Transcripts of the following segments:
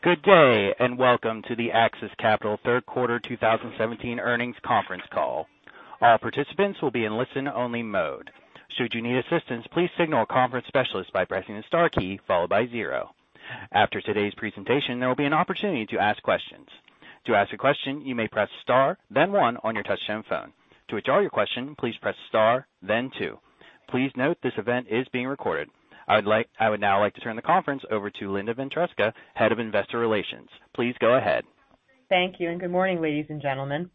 Good day, and welcome to the AXIS Capital third quarter 2017 earnings conference call. All participants will be in listen-only mode. Should you need assistance, please signal a conference specialist by pressing the star key followed by zero. After today's presentation, there will be an opportunity to ask questions. To ask a question, you may press star then one on your touchtone phone. To withdraw your question, please press star then two. Please note this event is being recorded. I would now like to turn the conference over to Linda Ventresca, Head of Investor Relations. Please go ahead. Thank you, and good morning, ladies and gentlemen.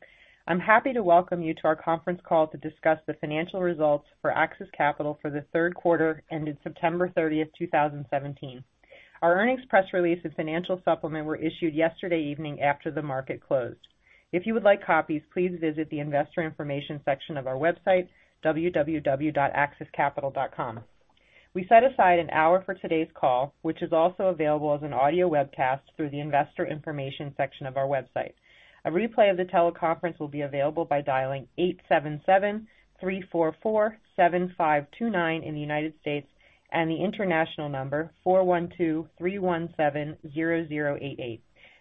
I'm happy to welcome you to our conference call to discuss the financial results for AXIS Capital for the third quarter ending September 30th, 2017. Our earnings press release and financial supplement were issued yesterday evening after the market closed. If you would like copies, please visit the investor information section of our website, www.axiscapital.com. We set aside an hour for today's call, which is also available as an audio webcast through the investor information section of our website. A replay of the teleconference will be available by dialing 877-344-7529 in the United States and the international number, 412-317-0088.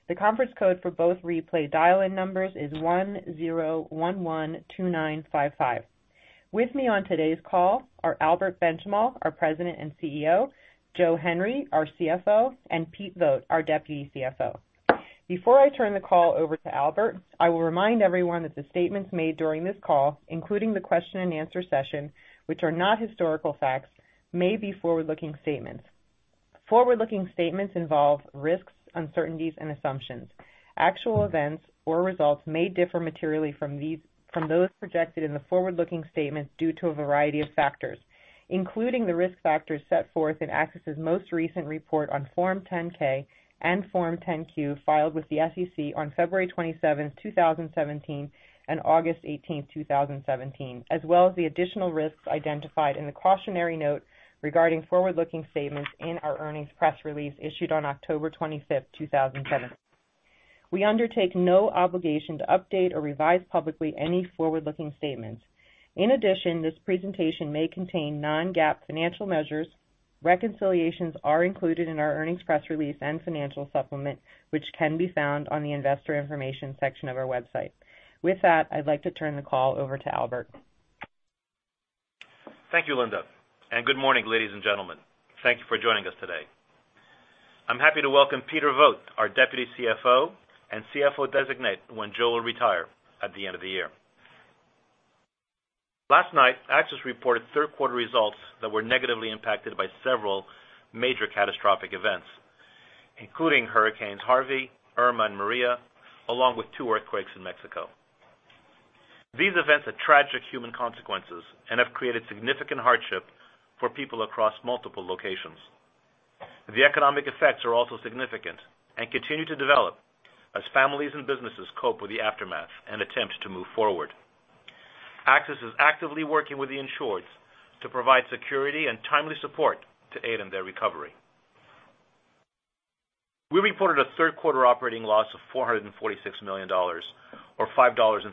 The conference code for both replay dial-in numbers is 10112955. With me on today's call are Albert Benchimol, our President and CEO, Joseph Henry, our CFO, and Pete Vogt, our Deputy CFO. Before I turn the call over to Albert, I will remind everyone that the statements made during this call, including the question and answer session, which are not historical facts, may be forward-looking statements. Forward-looking statements involve risks, uncertainties, and assumptions. Actual events or results may differ materially from those projected in the forward-looking statement due to a variety of factors, including the risk factors set forth in AXIS' most recent report on Form 10-K and Form 10-Q filed with the SEC on February 27, 2017, and August 18th, 2017, as well as the additional risks identified in the cautionary note regarding forward-looking statements in our earnings press release issued on October 25th, 2017. We undertake no obligation to update or revise publicly any forward-looking statements. In addition, this presentation may contain non-GAAP financial measures. Reconciliations are included in our earnings press release and financial supplement, which can be found on the investor information section of our website. With that, I'd like to turn the call over to Albert. Thank you, Linda. Good morning, ladies and gentlemen. Thank you for joining us today. I am happy to welcome Peter Vogt, our Deputy CFO and CFO designate when Joe will retire at the end of the year. Last night, AXIS reported third quarter results that were negatively impacted by several major catastrophic events, including Hurricane Harvey, Hurricane Irma, and Hurricane Maria, along with two earthquakes in Mexico. These events had tragic human consequences and have created significant hardship for people across multiple locations. The economic effects are also significant and continue to develop as families and businesses cope with the aftermath and attempt to move forward. AXIS is actively working with the insureds to provide security and timely support to aid in their recovery. We reported a third quarter operating loss of $446 million, or $5.35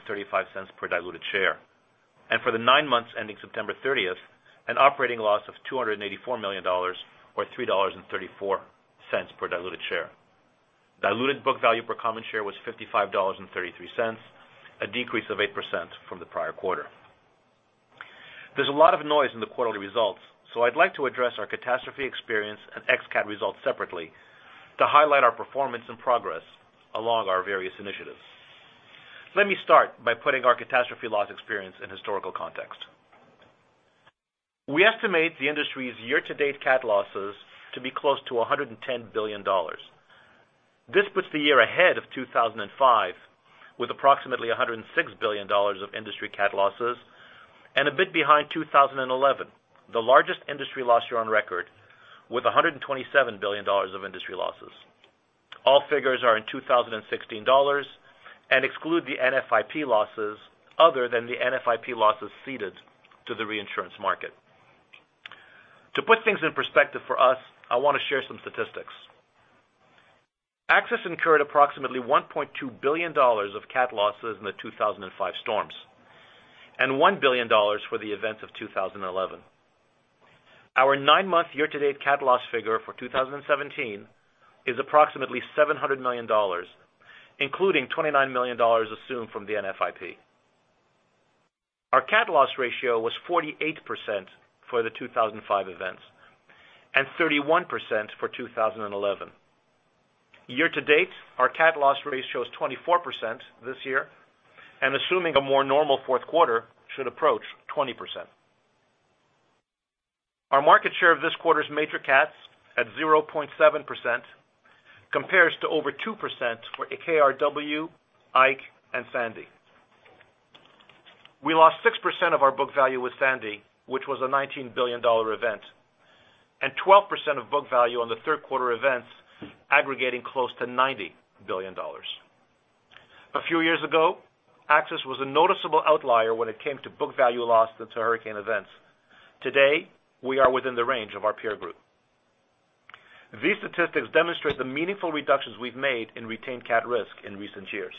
per diluted share. For the nine months ending September 30th, an operating loss of $284 million, or $3.34 per diluted share. Diluted book value per common share was $55.33, a decrease of 8% from the prior quarter. There is a lot of noise in the quarterly results. I would like to address our catastrophe experience and ex-CAT results separately to highlight our performance and progress along our various initiatives. Let me start by putting our catastrophe loss experience in historical context. We estimate the industry's year-to-date CAT losses to be close to $110 billion. This puts the year ahead of 2005 with approximately $106 billion of industry CAT losses and a bit behind 2011, the largest industry loss year on record with $127 billion of industry losses. All figures are in 2016 dollars and exclude the NFIP losses other than the NFIP losses ceded to the reinsurance market. To put things in perspective for us, I want to share some statistics. AXIS incurred approximately $1.2 billion of CAT losses in the 2005 storms and $1 billion for the events of 2011. Our nine-month year-to-date CAT loss figure for 2017 is approximately $700 million, including $29 million assumed from the NFIP. Our CAT loss ratio was 48% for the 2005 events and 31% for 2011. Year-to-date, our CAT loss ratio is 24% this year and assuming a more normal fourth quarter should approach 20%. Our market share of this quarter's major CATs at 0.7% compares to over 2% for KRW, Hurricane Ike, and Hurricane Sandy. We lost 6% of our book value with Hurricane Sandy, which was a $19 billion event, and 12% of book value on the third quarter events aggregating close to $90 billion. A few years ago, AXIS was a noticeable outlier when it came to book value loss due to hurricane events. Today, we are within the range of our peer group. These statistics demonstrate the meaningful reductions we have made in retained CAT risk in recent years.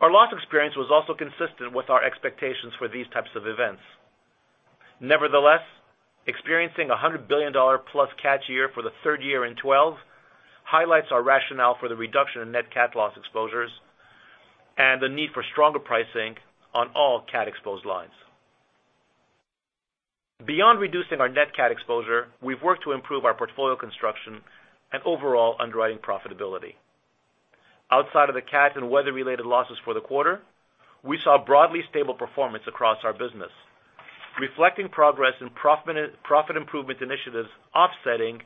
Our loss experience was also consistent with our expectations for these types of events. Nevertheless, experiencing a $100 billion-plus CAT year for the third year in 12 highlights our rationale for the reduction in net CAT loss exposures and the need for stronger pricing on all CAT-exposed lines. Beyond reducing our net CAT exposure, we have worked to improve our portfolio construction and overall underwriting profitability. Outside of the CAT and weather-related losses for the quarter, we saw broadly stable performance across our business, reflecting progress in profit improvement initiatives offsetting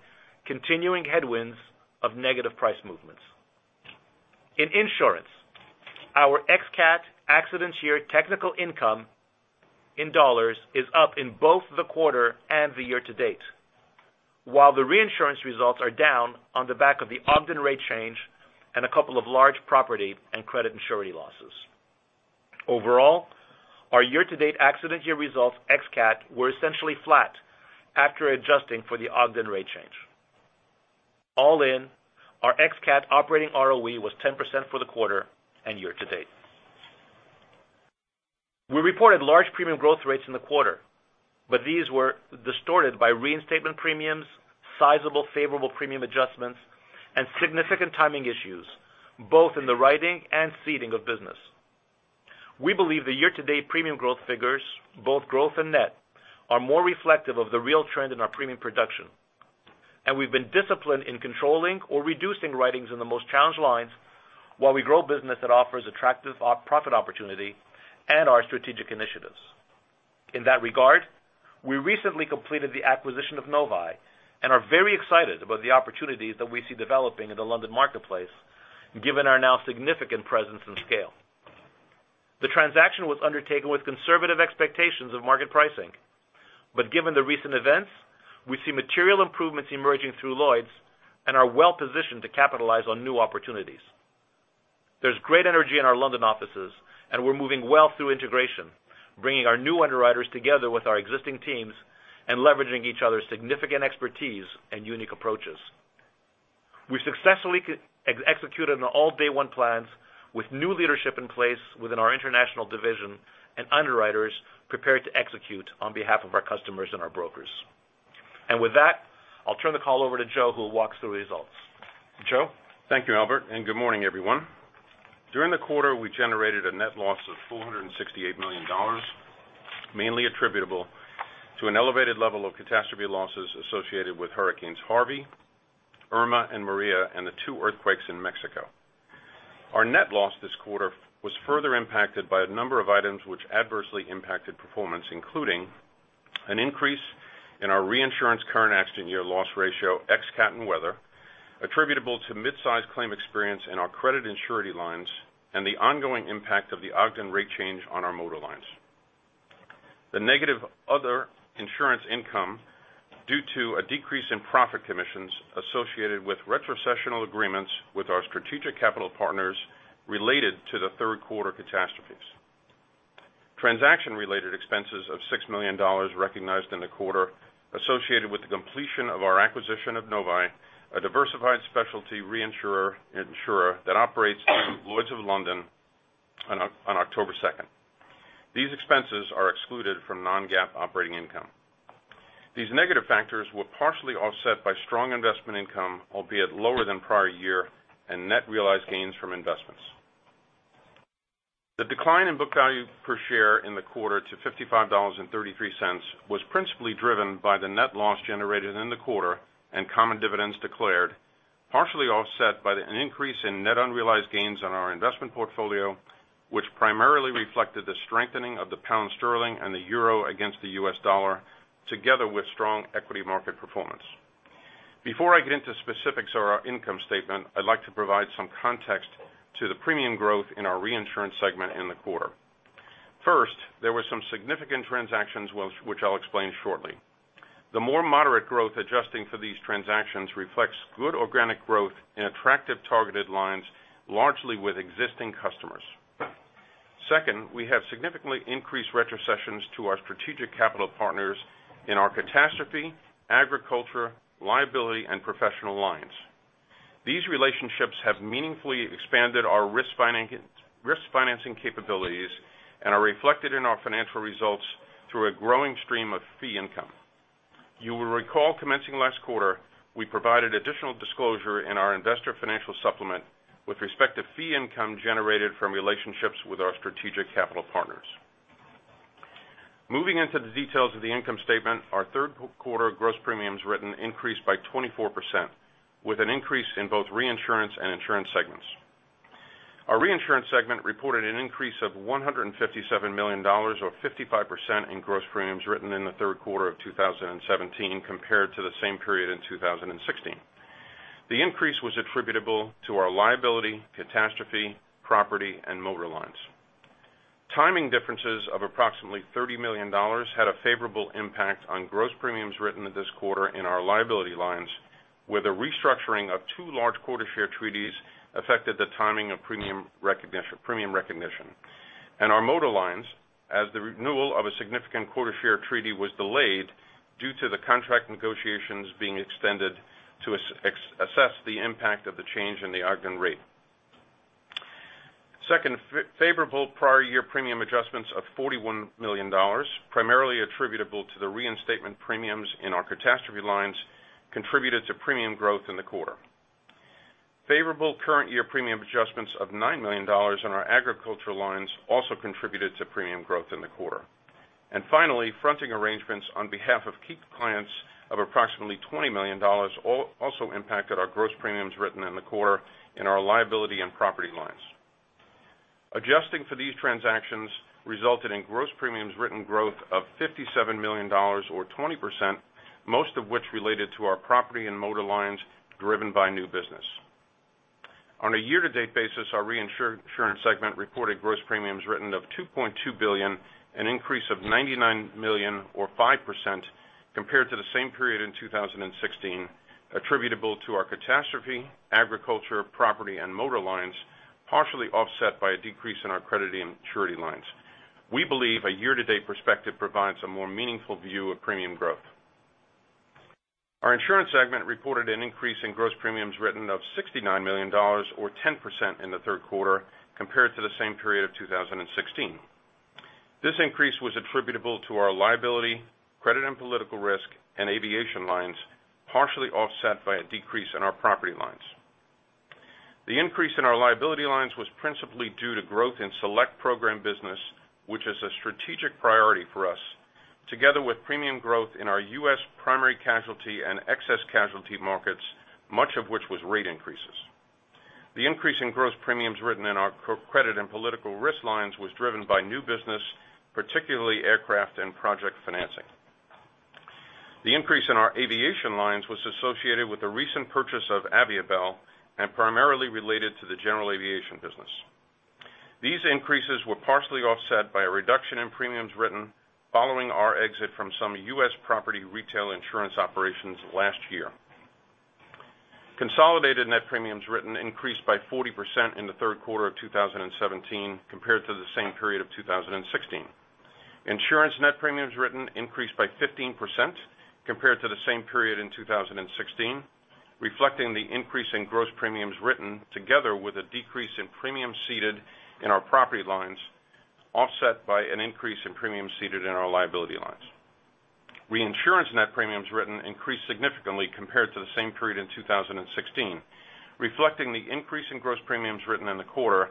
continuing headwinds of negative price movements. In insurance, our ex-CAT accident year technical income in USD is up in both the quarter and the year-to-date, while the reinsurance results are down on the back of the Ogden rate change and a couple of large property and credit and surety losses. Overall, our year-to-date accident year results ex-CAT were essentially flat after adjusting for the Ogden rate change. All in, our ex-CAT operating ROE was 10% for the quarter and year-to-date. We reported large premium growth rates in the quarter, but these were distorted by reinstatement premiums, sizable favorable premium adjustments, and significant timing issues, both in the writing and ceding of business. We believe the year-to-date premium growth figures, both gross and net, are more reflective of the real trend in our premium production, and we've been disciplined in controlling or reducing writings in the most challenged lines while we grow business that offers attractive profit opportunity and our strategic initiatives. In that regard, we recently completed the acquisition of Novae and are very excited about the opportunities that we see developing in the London marketplace given our now significant presence and scale. The transaction was undertaken with conservative expectations of market pricing, but given the recent events, we see material improvements emerging through Lloyd's and are well-positioned to capitalize on new opportunities. There's great energy in our London offices, and we're moving well through integration, bringing our new underwriters together with our existing teams and leveraging each other's significant expertise and unique approaches. We successfully executed on all day one plans with new leadership in place within our international division and underwriters prepared to execute on behalf of our customers and our brokers. With that, I'll turn the call over to Joe, who will walk us through results. Joe? Thank you, Albert, and good morning, everyone. During the quarter, we generated a net loss of $468 million, mainly attributable to an elevated level of catastrophe losses associated with Hurricanes Harvey, Irma, and Maria and the two earthquakes in Mexico. Our net loss this quarter was further impacted by a number of items which adversely impacted performance, including an increase in our reinsurance current accident year loss ratio, ex-CAT and weather, attributable to mid-sized claim experience in our credit and surety lines, and the ongoing impact of the Ogden rate change on our motor lines. The negative other insurance income due to a decrease in profit commissions associated with retrocessional agreements with our strategic capital partners related to the third quarter catastrophes. Transaction-related expenses of $6 million recognized in the quarter associated with the completion of our acquisition of Novae, a diversified specialty reinsurer and insurer that operates in Lloyd's of London on October 2nd. These expenses are excluded from non-GAAP operating income. These negative factors were partially offset by strong investment income, albeit lower than prior year, and net realized gains from investments. The decline in book value per share in the quarter to $55.33 was principally driven by the net loss generated in the quarter and common dividends declared, partially offset by an increase in net unrealized gains on our investment portfolio, which primarily reflected the strengthening of the pound sterling and the euro against the US dollar, together with strong equity market performance. Before I get into specifics of our income statement, I'd like to provide some context to the premium growth in our reinsurance segment in the quarter. First, there were some significant transactions, which I'll explain shortly. The more moderate growth adjusting for these transactions reflects good organic growth in attractive targeted lines, largely with existing customers. Second, we have significantly increased retrocessions to our strategic capital partners in our catastrophe, agriculture, liability, and professional lines. These relationships have meaningfully expanded our risk financing capabilities and are reflected in our financial results through a growing stream of fee income. You will recall commencing last quarter, we provided additional disclosure in our investor financial supplement with respect to fee income generated from relationships with our strategic capital partners. Moving into the details of the income statement, our third quarter gross premiums written increased by 24%, with an increase in both reinsurance and insurance segments. Our reinsurance segment reported an increase of $157 million, or 55% in gross premiums written in the third quarter of 2017 compared to the same period in 2016. The increase was attributable to our liability, catastrophe, property, and motor lines. Timing differences of approximately $30 million had a favorable impact on gross premiums written in this quarter in our liability lines, where the restructuring of two large quota share treaties affected the timing of premium recognition. Our motor lines, as the renewal of a significant quarter share treaty was delayed due to the contract negotiations being extended to assess the impact of the change in the Ogden rate. Second, favorable prior year premium adjustments of $41 million, primarily attributable to the reinstatement premiums in our catastrophe lines contributed to premium growth in the quarter. Favorable current year premium adjustments of $9 million in our agricultural lines also contributed to premium growth in the quarter. Finally, fronting arrangements on behalf of key clients of approximately $20 million also impacted our gross premiums written in the quarter in our liability and property lines. Adjusting for these transactions resulted in gross premiums written growth of $57 million or 20%, most of which related to our property and motor lines driven by new business. On a year-to-date basis, our reinsurance segment reported gross premiums written of $2.2 billion, an increase of $99 million or 5% compared to the same period in 2016, attributable to our catastrophe, agriculture, property, and motor lines, partially offset by a decrease in our credit and surety lines. We believe a year-to-date perspective provides a more meaningful view of premium growth. Our insurance segment reported an increase in gross premiums written of $69 million or 10% in the third quarter compared to the same period of 2016. This increase was attributable to our liability, credit and political risk, and aviation lines, partially offset by a decrease in our property lines. The increase in our liability lines was principally due to growth in select program business, which is a strategic priority for us, together with premium growth in our U.S. primary casualty and excess casualty markets, much of which was rate increases. The increase in gross premiums written in our credit and political risk lines was driven by new business, particularly aircraft and project financing. The increase in our aviation lines was associated with the recent purchase of Aviabel and primarily related to the general aviation business. These increases were partially offset by a reduction in premiums written following our exit from some U.S. property retail insurance operations last year. Consolidated net premiums written increased by 40% in the third quarter of 2017 compared to the same period of 2016. Insurance net premiums written increased by 15% compared to the same period in 2016, reflecting the increase in gross premiums written together with a decrease in premiums ceded in our property lines, offset by an increase in premiums ceded in our liability lines. Reinsurance net premiums written increased significantly compared to the same period in 2016, reflecting the increase in gross premiums written in the quarter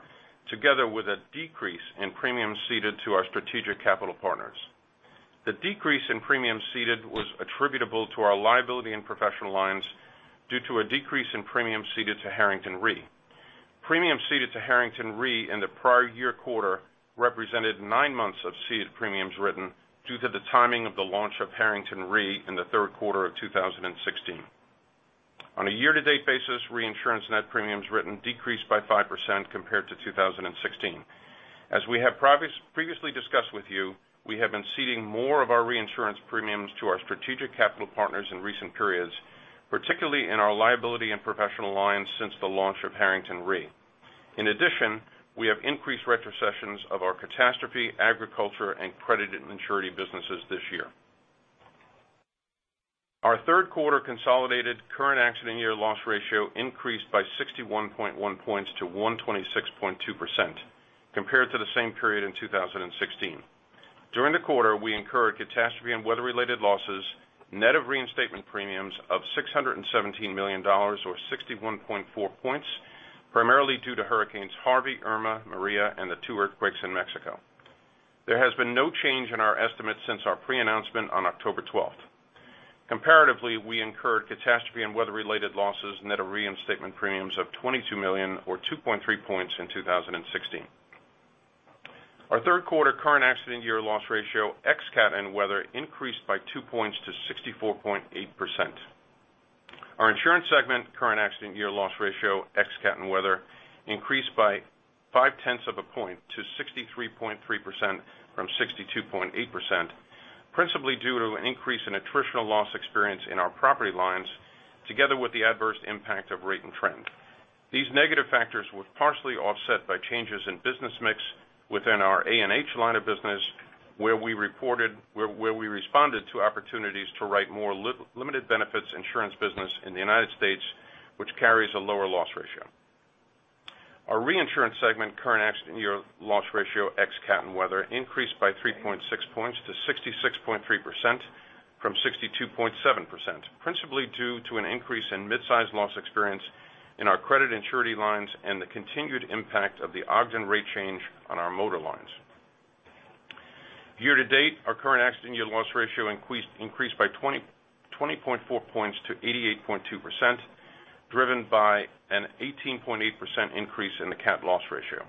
together with a decrease in premiums ceded to our strategic capital partners. The decrease in premiums ceded was attributable to our liability and professional lines due to a decrease in premiums ceded to Harrington Re. Premiums ceded to Harrington Re in the prior year quarter represented nine months of ceded premiums written due to the timing of the launch of Harrington Re in the third quarter of 2016. On a year-to-date basis, reinsurance net premiums written decreased by 5% compared to 2016. As we have previously discussed with you, we have been ceding more of our reinsurance premiums to our strategic capital partners in recent periods, particularly in our liability and professional lines since the launch of Harrington Re. In addition, we have increased retrocessions of our catastrophe, agriculture, and credit and surety businesses this year. Our third quarter consolidated current accident year loss ratio increased by 61.1 points to 126.2% compared to the same period in 2016. During the quarter, we incurred catastrophe and weather-related losses, net of reinstatement premiums of $617 million or 61.4 points, primarily due to hurricanes Harvey, Irma, Maria, and the two earthquakes in Mexico. There has been no change in our estimate since our pre-announcement on October 12th. Comparatively, we incurred catastrophe and weather-related losses, net of reinstatement premiums of $22 million or 2.3 points in 2016. Our third quarter current accident year loss ratio ex-CAT and weather increased by two points to 64.8%. Our insurance segment current accident year loss ratio ex-CAT and weather increased by five-tenths of a point to 63.3% from 62.8%, principally due to an increase in attritional loss experience in our property lines, together with the adverse impact of rate and trend. These negative factors were partially offset by changes in business mix within our A&H line of business, where we responded to opportunities to write more limited benefits insurance business in the United States, which carries a lower loss ratio. Our reinsurance segment current accident year loss ratio ex-CAT and weather increased by 3.6 points to 66.3% from 62.7%, principally due to an increase in mid-size loss experience in our credit and surety lines and the continued impact of the Ogden rate change on our motor lines. Year to date, our current accident year loss ratio increased by 20.4 points to 88.2%, driven by an 18.8% increase in the CAT loss ratio.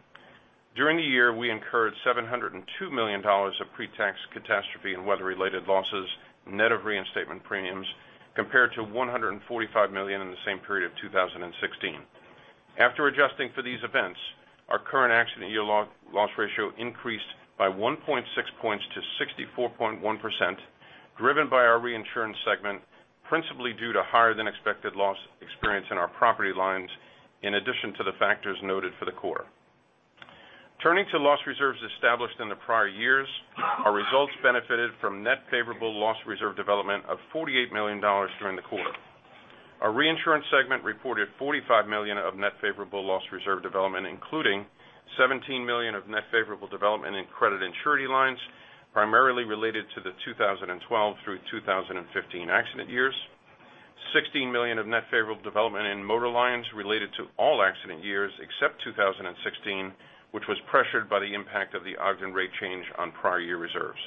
During the year, we incurred $702 million of pre-tax catastrophe and weather-related losses, net of reinstatement premiums, compared to $145 million in the same period of 2016. After adjusting for these events, our current accident year loss ratio increased by 1.6 points to 64.1%. Driven by our reinsurance segment, principally due to higher than expected loss experience in our property lines, in addition to the factors noted for the core. Turning to loss reserves established in the prior years, our results benefited from net favorable loss reserve development of $48 million during the quarter. Our reinsurance segment reported $45 million of net favorable loss reserve development, including $17 million of net favorable development in credit and surety lines, primarily related to the 2012 through 2015 accident years, $16 million of net favorable development in motor lines related to all accident years except 2016, which was pressured by the impact of the Ogden rate change on prior year reserves,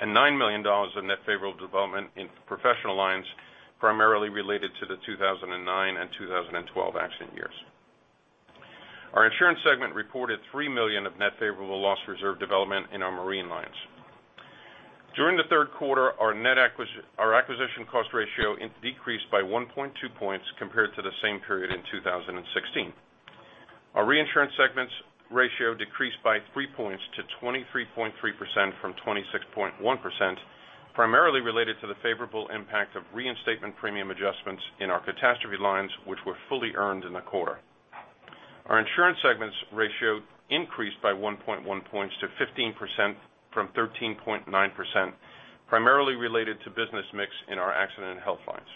and $9 million of net favorable development in professional lines, primarily related to the 2009 and 2012 accident years. Our insurance segment reported $3 million of net favorable loss reserve development in our marine lines. During the third quarter, our acquisition cost ratio decreased by 1.2 points compared to the same period in 2016. Our reinsurance segment's ratio decreased by three points to 23.3% from 26.1%, primarily related to the favorable impact of reinstatement premium adjustments in our catastrophe lines, which were fully earned in the quarter. Our insurance segment's ratio increased by 1.1 points to 15% from 13.9%, primarily related to business mix in our accident and health lines.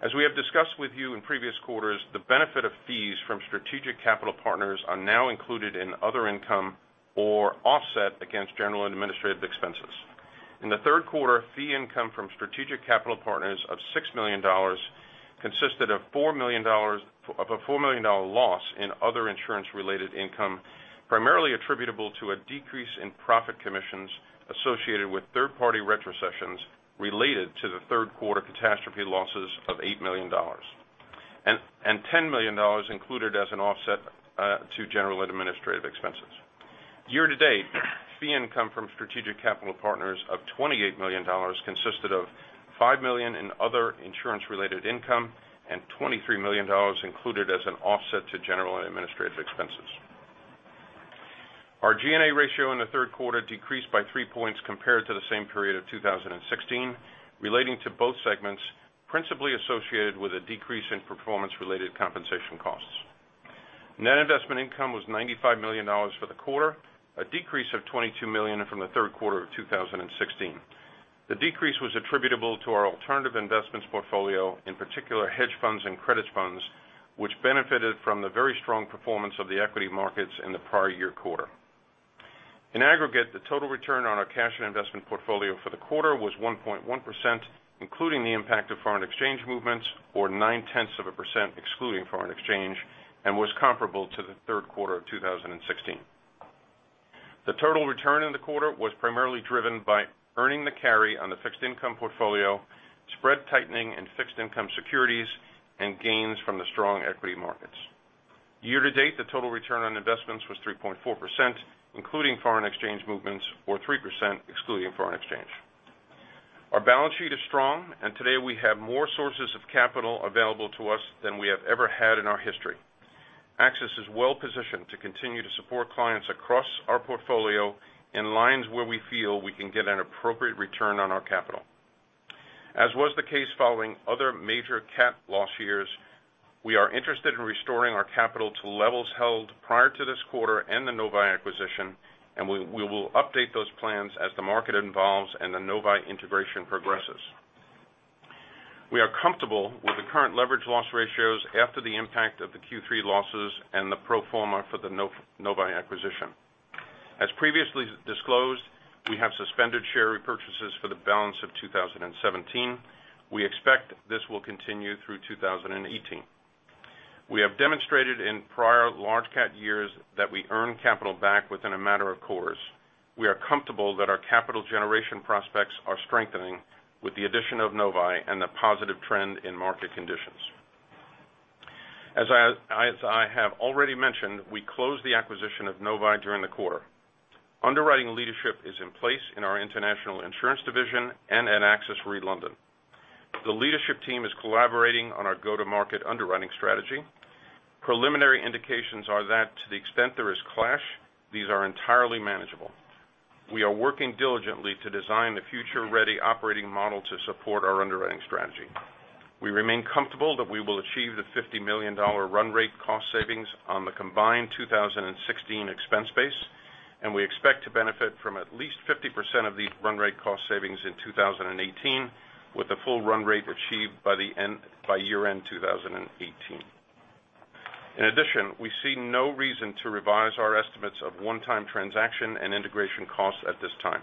As we have discussed with you in previous quarters, the benefit of fees from strategic capital partners are now included in other income or offset against general and administrative expenses. In the third quarter, fee income from strategic capital partners of $6 million consisted of a $4 million loss in other insurance-related income, primarily attributable to a decrease in profit commissions associated with third-party retrocessions related to the third quarter CAT losses of $8 million. $10 million included as an offset to general and administrative expenses. Year-to-date, fee income from strategic capital partners of $28 million consisted of $5 million in other insurance-related income and $23 million included as an offset to general and administrative expenses. Our G&A ratio in the third quarter decreased by three points compared to the same period of 2016, relating to both segments principally associated with a decrease in performance-related compensation costs. Net investment income was $95 million for the quarter, a decrease of $22 million from the third quarter of 2016. The decrease was attributable to our alternative investments portfolio, in particular hedge funds and credits funds, which benefited from the very strong performance of the equity markets in the prior year quarter. In aggregate, the total return on our cash and investment portfolio for the quarter was 1.1%, including the impact of foreign exchange movements, or nine tenths of a percent excluding foreign exchange, and was comparable to the third quarter of 2016. The total return in the quarter was primarily driven by earning the carry on the fixed income portfolio, spread tightening in fixed income securities, and gains from the strong equity markets. Year to date, the total return on investments was 3.4%, including foreign exchange movements, or 3% excluding foreign exchange. Our balance sheet is strong, and today we have more sources of capital available to us than we have ever had in our history. AXIS is well positioned to continue to support clients across our portfolio in lines where we feel we can get an appropriate return on our capital. As was the case following other major CAT loss years, we are interested in restoring our capital to levels held prior to this quarter and the Novae acquisition. We will update those plans as the market evolves and the Novae integration progresses. We are comfortable with the current leverage loss ratios after the impact of the Q3 losses and the pro forma for the Novae acquisition. As previously disclosed, we have suspended share repurchases for the balance of 2017. We expect this will continue through 2018. We have demonstrated in prior large CAT years that we earn capital back within a matter of quarters. We are comfortable that our capital generation prospects are strengthening with the addition of Novae and the positive trend in market conditions. As I have already mentioned, we closed the acquisition of Novae during the quarter. Underwriting leadership is in place in our international insurance division and at AXIS Re London. The leadership team is collaborating on our go-to-market underwriting strategy. Preliminary indications are that to the extent there is clash, these are entirely manageable. We are working diligently to design the future-ready operating model to support our underwriting strategy. We remain comfortable that we will achieve the $50 million run rate cost savings on the combined 2016 expense base. We expect to benefit from at least 50% of these run rate cost savings in 2018, with the full run rate achieved by year-end 2018. We see no reason to revise our estimates of one-time transaction and integration costs at this time.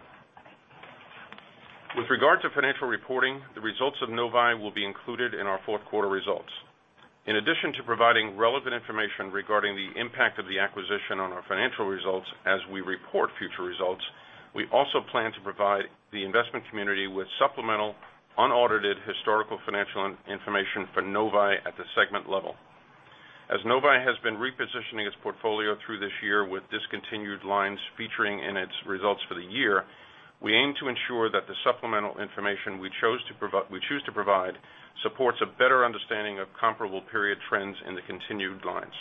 With regard to financial reporting, the results of Novae will be included in our fourth quarter results. In addition to providing relevant information regarding the impact of the acquisition on our financial results as we report future results, we also plan to provide the investment community with supplemental, unaudited historical financial information for Novae at the segment level. As Novae has been repositioning its portfolio through this year with discontinued lines featuring in its results for the year, we aim to ensure that the supplemental information we choose to provide supports a better understanding of comparable period trends in the continued lines.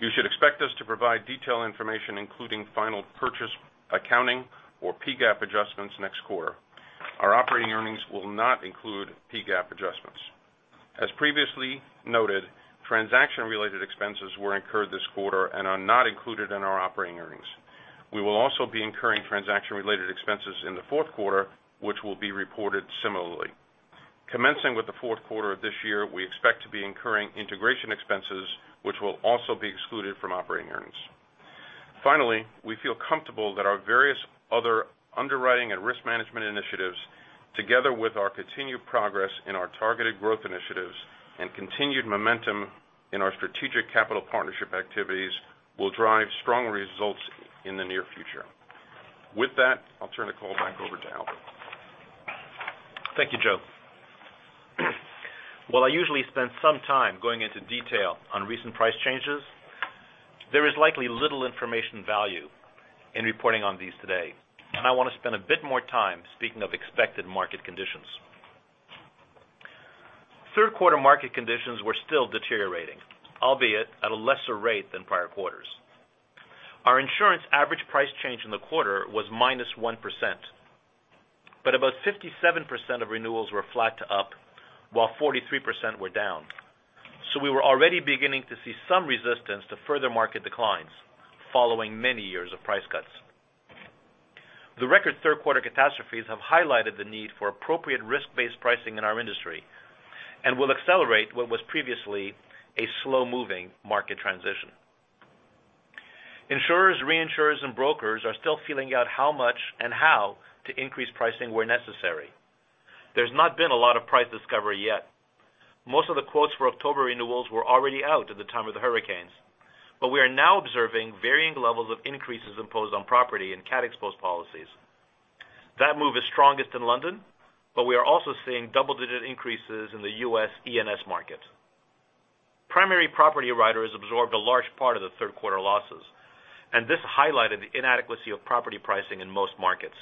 You should expect us to provide detailed information, including final purchase accounting or PGAAP adjustments next quarter. Our operating earnings will not include PGAAP adjustments. As previously noted, transaction-related expenses were incurred this quarter and are not included in our operating earnings. We will also be incurring transaction-related expenses in the fourth quarter, which will be reported similarly. Commencing with the fourth quarter of this year, we expect to be incurring integration expenses, which will also be excluded from operating earnings. Finally, we feel comfortable that our various other underwriting and risk management initiatives, together with our continued progress in our targeted growth initiatives and continued momentum in our strategic capital partnership activities, will drive strong results in the near future. With that, I'll turn the call back over to Albert. Thank you, Joe. While I usually spend some time going into detail on recent price changes, there is likely little information value in reporting on these today, and I want to spend a bit more time speaking of expected market conditions. Third quarter market conditions were still deteriorating, albeit at a lesser rate than prior quarters. Our insurance average price change in the quarter was -1%, but about 57% of renewals were flat to up, while 43% were down. We were already beginning to see some resistance to further market declines following many years of price cuts. The record third-quarter catastrophes have highlighted the need for appropriate risk-based pricing in our industry and will accelerate what was previously a slow-moving market transition. Insurers, reinsurers, and brokers are still feeling out how much and how to increase pricing where necessary. There's not been a lot of price discovery yet. Most of the quotes for October renewals were already out at the time of the hurricanes. We are now observing varying levels of increases imposed on property and CAT exposed policies. That move is strongest in London, but we are also seeing double-digit increases in the U.S. E&S market. Primary property riders absorbed a large part of the third-quarter losses, and this highlighted the inadequacy of property pricing in most markets.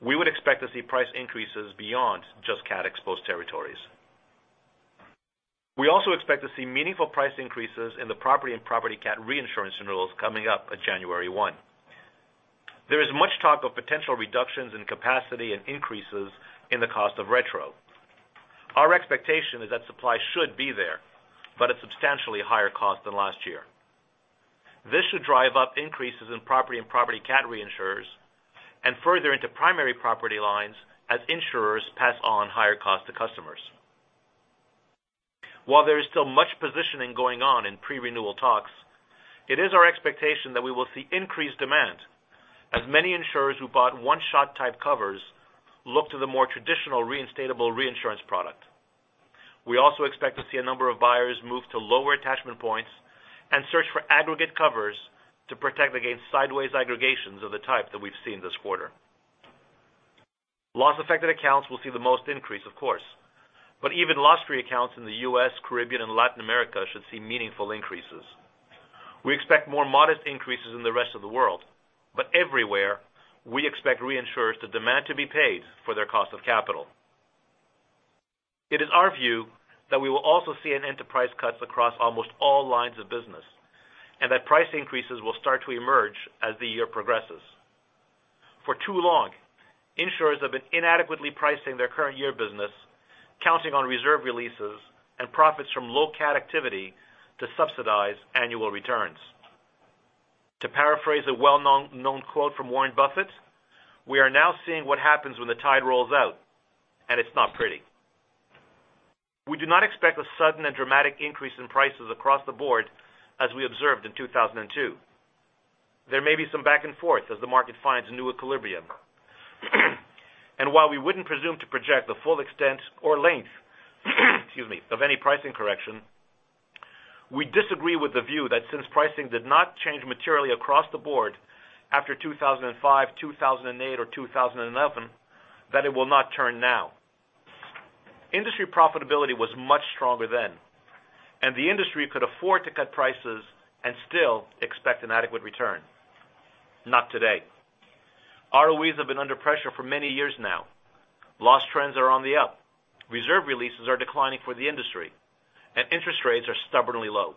We would expect to see price increases beyond just CAT exposed territories. We also expect to see meaningful price increases in the property and property CAT reinsurance renewals coming up at January 1. There is much talk of potential reductions in capacity and increases in the cost of retro. Our expectation is that supply should be there, but at substantially higher cost than last year. This should drive up increases in property and property CAT reinsurers and further into primary property lines as insurers pass on higher costs to customers. While there is still much positioning going on in pre-renewal talks, it is our expectation that we will see increased demand as many insurers who bought one-shot type covers look to the more traditional reinstatable reinsurance product. We also expect to see a number of buyers move to lower attachment points and search for aggregate covers to protect against sideways aggregations of the type that we've seen this quarter. Loss-affected accounts will see the most increase, of course, but even loss-free accounts in the U.S., Caribbean, and Latin America should see meaningful increases. We expect more modest increases in the rest of the world, but everywhere, we expect reinsurers to demand to be paid for their cost of capital. It is our view that we will also see an end to price cuts across almost all lines of business and that price increases will start to emerge as the year progresses. For too long, insurers have been inadequately pricing their current year business, counting on reserve releases and profits from low CAT activity to subsidize annual returns. To paraphrase a well-known quote from Warren Buffett, we are now seeing what happens when the tide rolls out, and it's not pretty. We do not expect a sudden and dramatic increase in prices across the board as we observed in 2002. There may be some back and forth as the market finds a new equilibrium. While we wouldn't presume to project the full extent or length excuse me, of any pricing correction, we disagree with the view that since pricing did not change materially across the board after 2005, 2008, or 2011, that it will not turn now. Industry profitability was much stronger then, the industry could afford to cut prices and still expect an adequate return. Not today. ROEs have been under pressure for many years now. Loss trends are on the up. Reserve releases are declining for the industry, and interest rates are stubbornly low.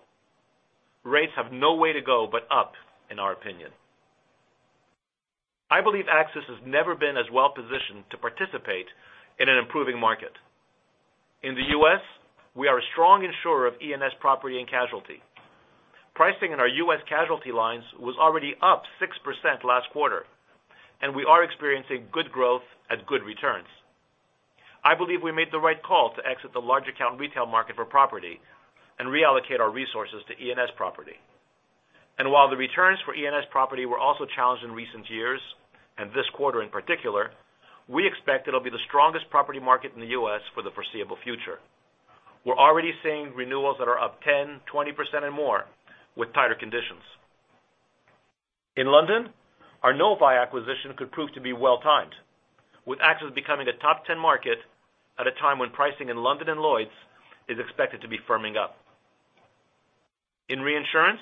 Rates have no way to go but up, in our opinion. I believe AXIS has never been as well-positioned to participate in an improving market. In the U.S., we are a strong insurer of E&S property and casualty. Pricing in our U.S. casualty lines was already up 6% last quarter, we are experiencing good growth at good returns. I believe we made the right call to exit the large account retail market for property and reallocate our resources to E&S property. While the returns for E&S property were also challenged in recent years, this quarter in particular, we expect it'll be the strongest property market in the U.S. for the foreseeable future. We're already seeing renewals that are up 10, 20% and more with tighter conditions. In London, our Novae acquisition could prove to be well-timed, with AXIS becoming a top 10 market at a time when pricing in London and Lloyd's is expected to be firming up. In reinsurance,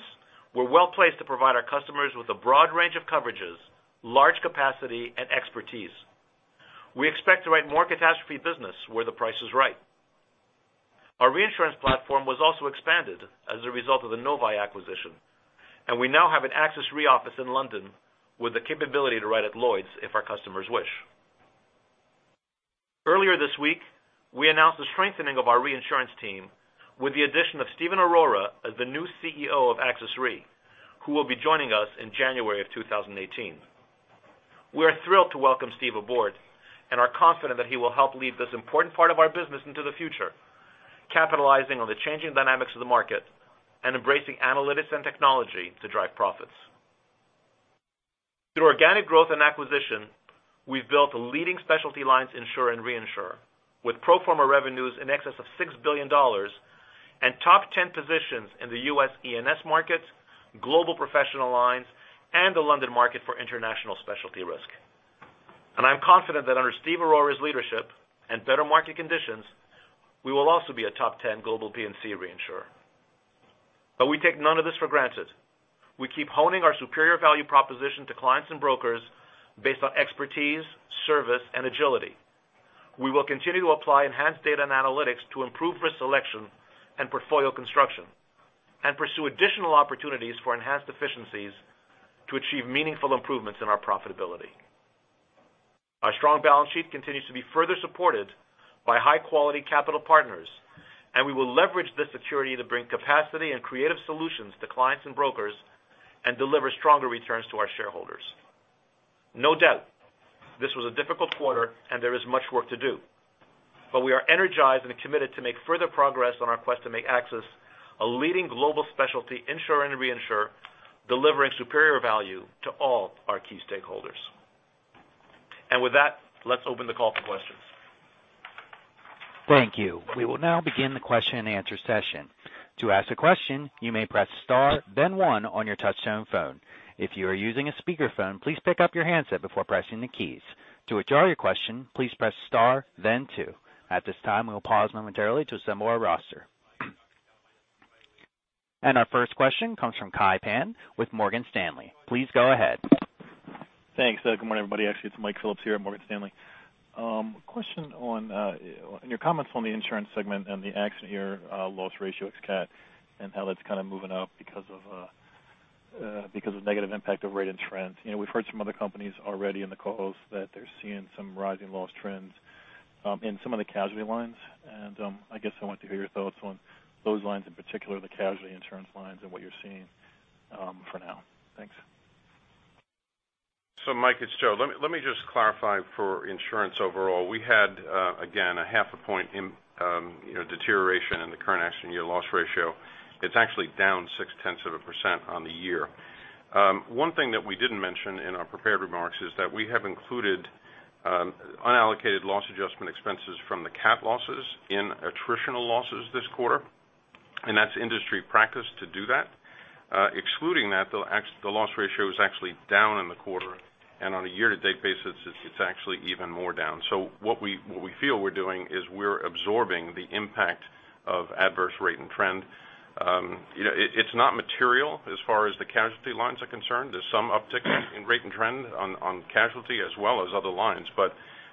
we're well-placed to provide our customers with a broad range of coverages, large capacity, and expertise. We expect to write more catastrophe business where the price is right. Our reinsurance platform was also expanded as a result of the Novae acquisition, and we now have an AXIS Re office in London with the capability to write at Lloyd's if our customers wish. Earlier this week, we announced the strengthening of our reinsurance team with the addition of Steve Arora as the new CEO of AXIS Re, who will be joining us in January of 2018. We are thrilled to welcome Steve aboard and are confident that he will help lead this important part of our business into the future, capitalizing on the changing dynamics of the market and embracing analytics and technology to drive profits. Through organic growth and acquisition, we've built a leading specialty lines insurer and reinsurer with pro forma revenues in excess of $6 billion and top 10 positions in the U.S. E&S markets, global professional lines, and the London market for international specialty risk. I'm confident that under Steve Arora's leadership and better market conditions, we will also be a top 10 global P&C reinsurer. We take none of this for granted. We keep honing our superior value proposition to clients and brokers based on expertise, service, and agility. We will continue to apply enhanced data and analytics to improve risk selection and portfolio construction and pursue additional opportunities for enhanced efficiencies to achieve meaningful improvements in our profitability. Our strong balance sheet continues to be further supported by high-quality capital partners. We will leverage this security to bring capacity and creative solutions to clients and brokers and deliver stronger returns to our shareholders. No doubt, this was a difficult quarter. There is much work to do. We are energized and committed to make further progress on our quest to make AXIS a leading global specialty insurer and reinsurer, delivering superior value to all our key stakeholders. With that, let's open the call for questions. Thank you. We will now begin the question and answer session. To ask a question, you may press star then one on your touchtone phone. If you are using a speakerphone, please pick up your handset before pressing the keys. To withdraw your question, please press star then two. At this time, we will pause momentarily to assemble our roster. Our first question comes from Kai Pan with Morgan Stanley. Please go ahead. Thanks. Good morning, everybody. Actually, it's Mike Phillips here at Morgan Stanley. Question on your comments on the insurance segment and the accident year loss ratio ex-CAT and how that's kind of moving up because of negative impact of rate and trends. We've heard from other companies already in the calls that they're seeing some rising loss trends in some of the casualty lines. I guess I wanted to hear your thoughts on those lines in particular, the casualty insurance lines and what you're seeing for now. Thanks. Mike, it's Joseph Henry. Let me just clarify for insurance overall. We had again, a half a point deterioration in the current accident year loss ratio. It's actually down six tenths of a percent on the year. One thing that we didn't mention in our prepared remarks is that we have included unallocated loss adjustment expenses from the CAT losses in attritional losses this quarter, that's industry practice to do that. Excluding that, the loss ratio is actually down in the quarter and on a year-to-date basis, it's actually even more down. What we feel we're doing is we're absorbing the impact of adverse rate and trend. It's not material as far as the casualty lines are concerned. There's some uptick in rate and trend on casualty as well as other lines.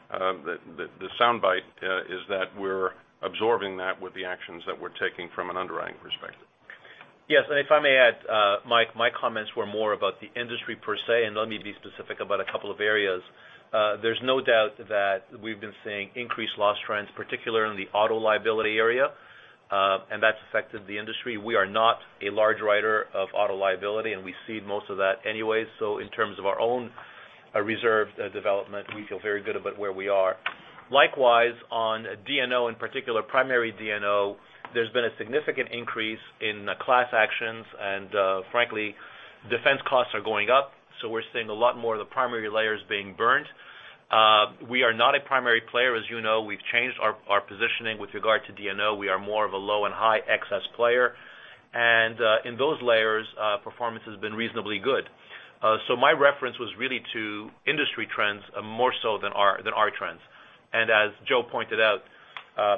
The soundbite is that we're absorbing that with the actions that we're taking from an underwriting perspective. Yes. If I may add, Mike Phillips, my comments were more about the industry per se, let me be specific about a couple of areas. There's no doubt that we've been seeing increased loss trends, particularly in the auto liability area, and that's affected the industry. We are not a large writer of auto liability, and we cede most of that anyway. In terms of our own reserve development, we feel very good about where we are. Likewise, on D&O in particular, primary D&O, there's been a significant increase in class actions, and frankly, defense costs are going up. We're seeing a lot more of the primary layers being burnt. We are not a primary player, as you know. We've changed our positioning with regard to D&O. We are more of a low and high excess player. In those layers, performance has been reasonably good. My reference was really to industry trends more so than our trends. As Joseph Henry pointed out,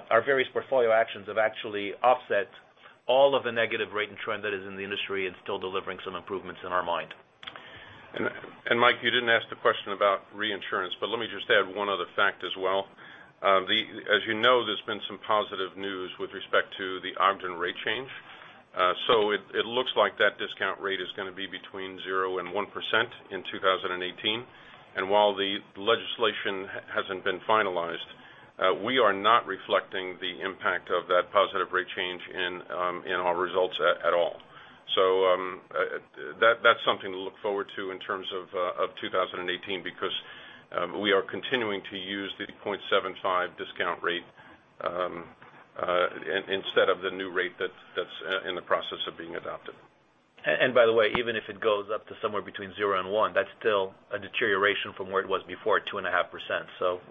our various portfolio actions have actually offset all of the negative rate and trend that is in the industry and still delivering some improvements in our mind. Mike, you didn't ask the question about reinsurance, but let me just add one other fact as well. As you know, there's been some positive news with respect to the Ogden rate change. It looks like that discount rate is going to be between 0% and 1% in 2018. While the legislation hasn't been finalized, we are not reflecting the impact of that positive rate change in our results at all. That's something to look forward to in terms of 2018 because we are continuing to use the 0.75 discount rate instead of the new rate that's in the process of being adopted. By the way, even if it goes up to somewhere between 0 and 1, that's still a deterioration from where it was before at 2.5%.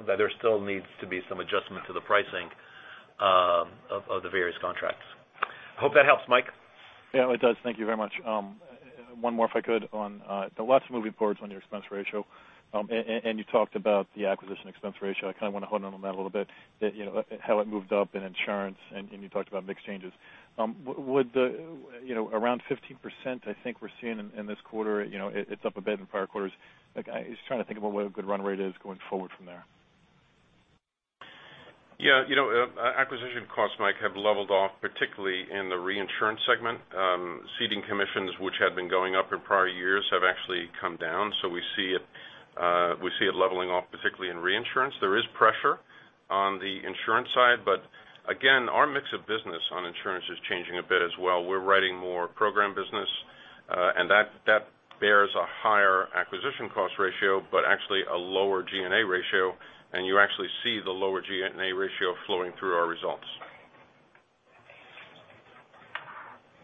There still needs to be some adjustment to the pricing of the various contracts. I hope that helps, Mike. Yeah, it does. Thank you very much. One more if I could on the lots moving forward on your expense ratio. You talked about the acquisition expense ratio. I kind of want to hone in on that a little bit, how it moved up in insurance, and you talked about mix changes. Around 15%, I think we're seeing in this quarter, it's up a bit in prior quarters. I was trying to think about what a good run rate is going forward from there. Yeah. Acquisition costs, Mike, have leveled off, particularly in the reinsurance segment. Ceding commissions, which had been going up in prior years, have actually come down. We see it leveling off, particularly in reinsurance. There is pressure on the insurance side, but again, our mix of business on insurance is changing a bit as well. We're writing more program business, and that bears a higher acquisition cost ratio but actually a lower G&A ratio. You actually see the lower G&A ratio flowing through our results.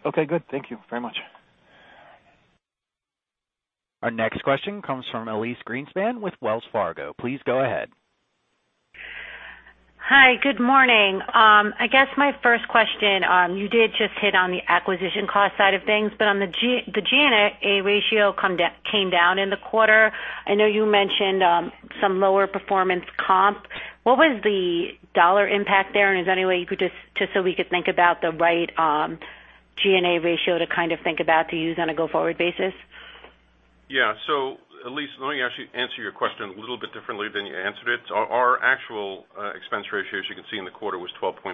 Okay, good. Thank you very much. Our next question comes from Elyse Greenspan with Wells Fargo. Please go ahead. Hi. Good morning. I guess my first question, you did just hit on the acquisition cost side of things, but on the G&A ratio came down in the quarter. I know you mentioned some lower performance comp. What was the dollar impact there? Is there any way you could just so we could think about the right G&A ratio to think about to use on a go-forward basis? Yeah. Elyse, let me actually answer your question a little bit differently than you answered it. Our actual expense ratio, as you can see in the quarter, was 12.3%,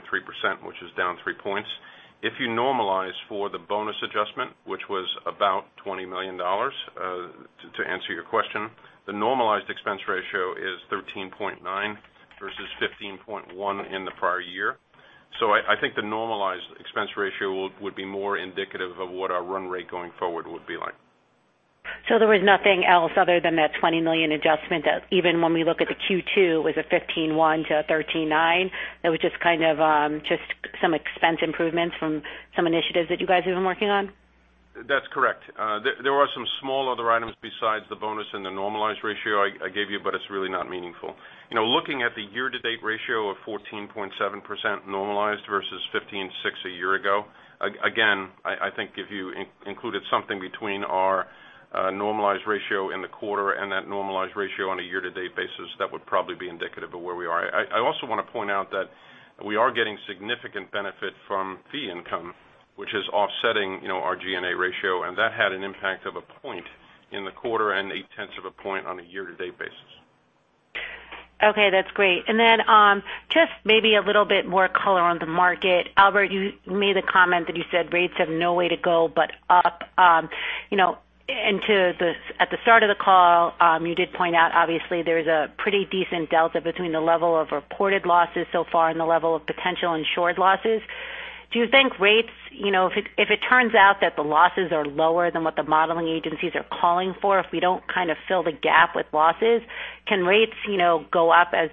which is down three points. If you normalize for the bonus adjustment, which was about $20 million, to answer your question, the normalized expense ratio is 13.9% versus 15.1% in the prior year. I think the normalized expense ratio would be more indicative of what our run rate going forward would be like. there was nothing else other than that $20 million adjustment, even when we look at the Q2, was a 15.1% to 13.9%. That was just some expense improvements from some initiatives that you guys have been working on? That's correct. There are some small other items besides the bonus in the normalized ratio I gave you, but it's really not meaningful. Looking at the year-to-date ratio of 14.7% normalized versus 15.6% a year ago, again, I think if you included something between our normalized ratio in the quarter and that normalized ratio on a year-to-date basis, that would probably be indicative of where we are. I also want to point out that we are getting significant benefit from fee income, which is offsetting our G&A ratio, and that had an impact of a point in the quarter and eight tenths of a point on a year-to-date basis. Okay, that's great. Then just maybe a little bit more color on the market. Albert, you made the comment that you said rates have no way to go but up. At the start of the call, you did point out, obviously, there's a pretty decent delta between the level of reported losses so far and the level of potential insured losses. Do you think rates, if it turns out that the losses are lower than what the modeling agencies are calling for, if we don't fill the gap with losses, can rates go up as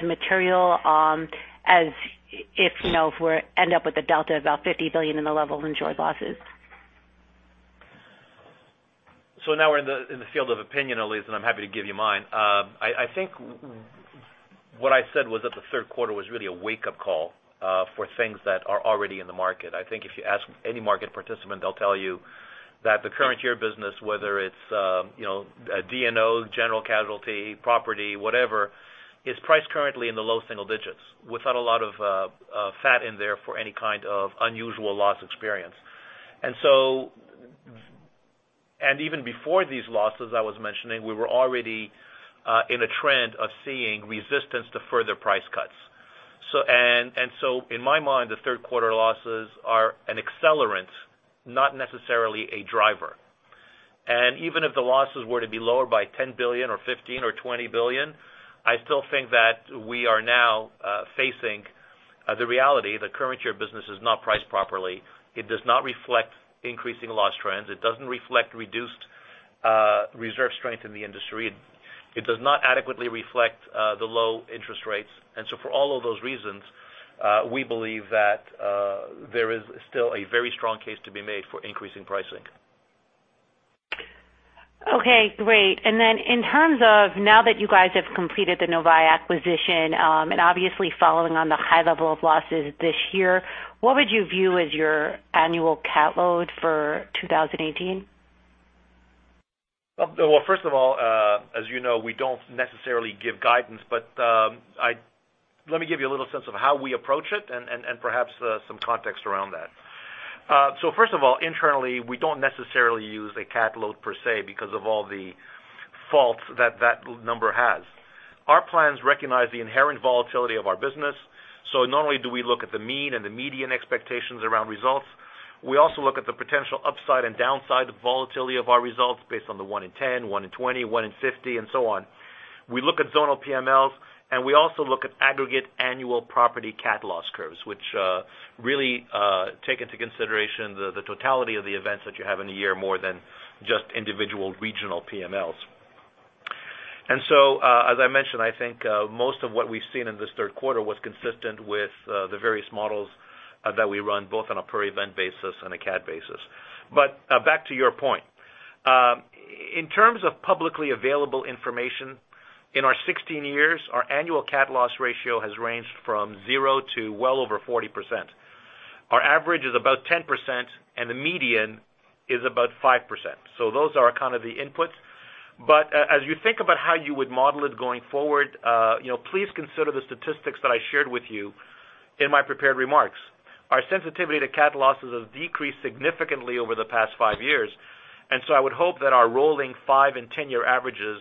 material as if we end up with a delta of about $50 billion in the level of insured losses? Now we're in the field of opinion, Elyse, and I'm happy to give you mine. I think what I said was that the third quarter was really a wake-up call for things that are already in the market. I think if you ask any market participant, they'll tell you that the current year business, whether it's D&O, general casualty, property, whatever, is priced currently in the low single digits without a lot of fat in there for any kind of unusual loss experience. Even before these losses I was mentioning, we were already in a trend of seeing resistance to further price cuts. So in my mind, the third quarter losses are an accelerant, not necessarily a driver. Even if the losses were to be lower by $10 billion or $15 billion or $20 billion, I still think that we are now facing the reality the current year business is not priced properly. It does not reflect increasing loss trends. It doesn't reflect reduced reserve strength in the industry. It does not adequately reflect the low interest rates. For all of those reasons, we believe that there is still a very strong case to be made for increasing pricing. Okay, great. Then in terms of now that you guys have completed the Novae acquisition, and obviously following on the high level of losses this year, what would you view as your annual cat load for 2018? Well, first of all, as you know, we don't necessarily give guidance, but let me give you a little sense of how we approach it and perhaps some context around that. First of all, internally, we don't necessarily use a cat load per se because of all the faults that that number has. Our plans recognize the inherent volatility of our business. Not only do we look at the mean and the median expectations around results, we also look at the potential upside and downside volatility of our results based on the one in 10, one in 20, one in 50, and so on. We look at zonal PMLs, and we also look at aggregate annual property cat loss curves, which really take into consideration the totality of the events that you have in a year more than just individual regional PMLs. As I mentioned, I think most of what we've seen in this third quarter was consistent with the various models that we run, both on a per event basis and a cat basis. Back to your point. In terms of publicly available information, in our 16 years, our annual cat loss ratio has ranged from zero to well over 40%. Our average is about 10% and the median is about 5%. Those are kind of the inputs. As you think about how you would model it going forward, please consider the statistics that I shared with you in my prepared remarks. Our sensitivity to cat losses have decreased significantly over the past five years. I would hope that our rolling five and 10-year averages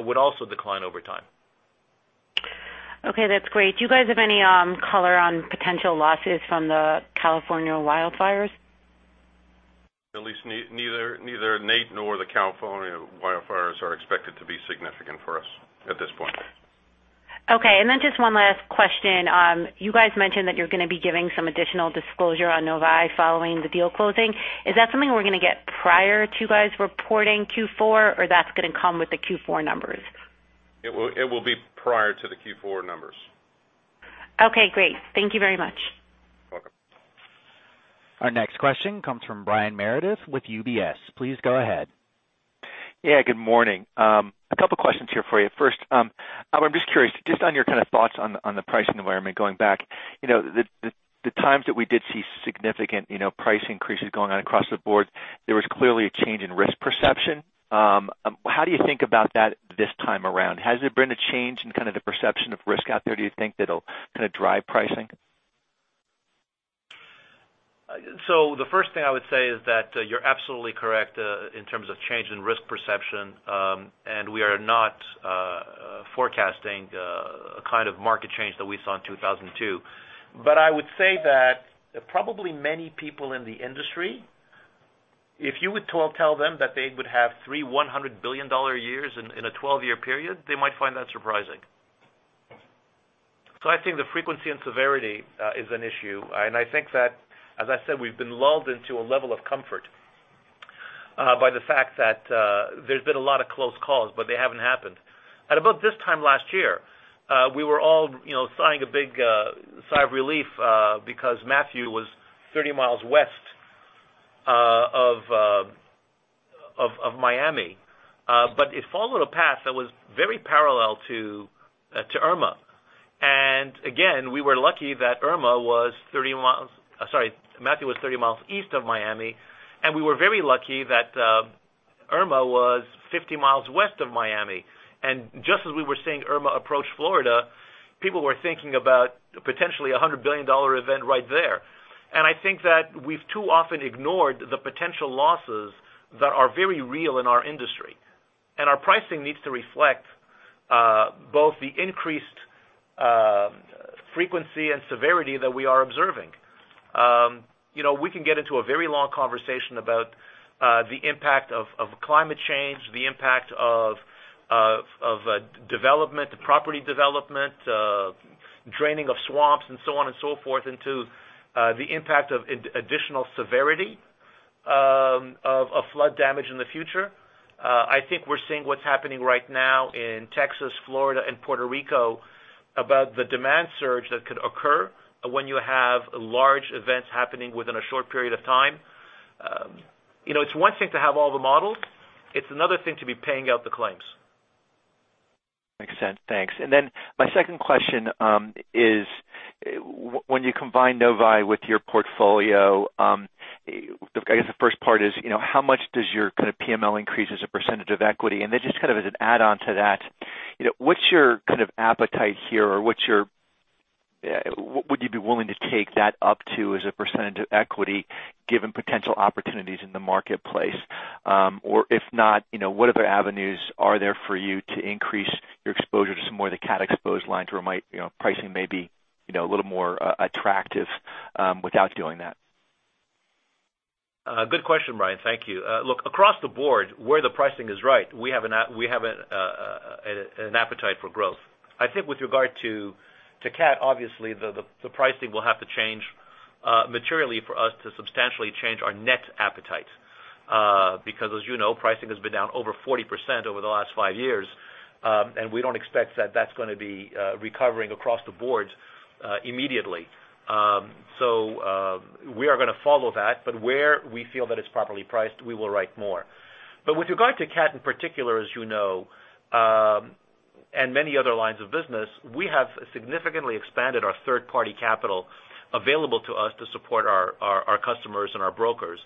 would also decline over time. That's great. Do you guys have any color on potential losses from the California wildfires? Elyse, neither Nate nor the California wildfires are expected to be significant for us at this point. Just one last question. You guys mentioned that you're going to be giving some additional disclosure on Novae following the deal closing. Is that something we're going to get prior to you guys reporting Q4 or that's going to come with the Q4 numbers? It will be prior to the Q4 numbers. Okay, great. Thank you very much. Welcome. Our next question comes from Brian Meredith with UBS. Please go ahead. Yeah, good morning. A couple questions here for you. First, I'm just curious, just on your kind of thoughts on the pricing environment going back. The times that we did see significant price increases going on across the board, there was clearly a change in risk perception. How do you think about that this time around? Has there been a change in kind of the perception of risk out there, do you think that'll kind of drive pricing? The first thing I would say is that you're absolutely correct in terms of change in risk perception. We are not forecasting a kind of market change that we saw in 2002. I would say that probably many people in the industry, if you would tell them that they would have three $100 billion years in a 12-year period, they might find that surprising. I think the frequency and severity is an issue. I think that, as I said, we've been lulled into a level of comfort by the fact that there's been a lot of close calls, but they haven't happened. At about this time last year, we were all sighing a big sigh of relief because Hurricane Matthew was 30 miles west of Miami. It followed a path that was very parallel to Hurricane Irma. Again, we were lucky that Matthew was 30 miles east of Miami, and we were very lucky that Irma was 50 miles west of Miami. Just as we were seeing Irma approach Florida, people were thinking about potentially a $100 billion event right there. I think that we've too often ignored the potential losses that are very real in our industry. Our pricing needs to reflect both the increased frequency and severity that we are observing. We can get into a very long conversation about the impact of climate change, the impact of development, the property development, draining of swamps and so on and so forth into the impact of additional severity of flood damage in the future. I think we're seeing what's happening right now in Texas, Florida, and Puerto Rico about the demand surge that could occur when you have large events happening within a short period of time. It's one thing to have all the models, it's another thing to be paying out the claims. Makes sense. Thanks. My second question is when you combine Novae with your portfolio, I guess the first part is how much does your kind of PML increase as a percentage of equity? Then just kind of as an add-on to that, what's your kind of appetite here or would you be willing to take that up to as a percentage of equity given potential opportunities in the marketplace? Or if not, what other avenues are there for you to increase your exposure to some more of the cat exposed lines where pricing may be a little more attractive without doing that? Good question, Brian. Thank you. Look, across the board where the pricing is right, we have an appetite for growth. I think with regard to cat, obviously the pricing will have to change materially for us to substantially change our net appetite. As you know, pricing has been down over 40% over the last five years, and we don't expect that that's going to be recovering across the board immediately. We are going to follow that, but where we feel that it's properly priced, we will write more. With regard to cat in particular, as you know, and many other lines of business, we have significantly expanded our third-party capital available to us to support our customers and our brokers.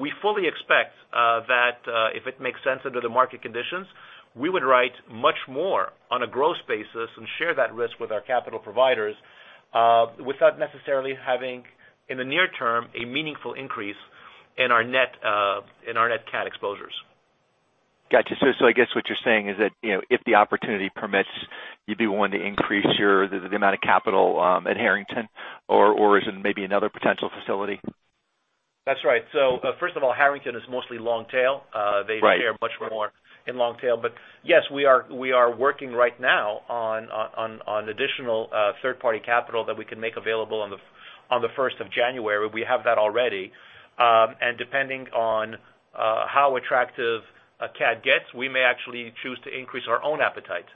We fully expect that if it makes sense under the market conditions, we would write much more on a gross basis and share that risk with our capital providers without necessarily having, in the near term, a meaningful increase in our net CAT exposures. Got you. I guess what you're saying is that if the opportunity permits, you'd be willing to increase the amount of capital at Harrington, or is it maybe another potential facility? That's right. First of all, Harrington is mostly long tail. Right. They share much more in long tail. Yes, we are working right now on additional third-party capital that we can make available on the 1st of January. We have that already. Depending on how attractive a CAT gets, we may actually choose to increase our own appetite.